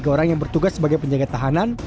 tiga orang yang bertugas sebagai penjaga tahanan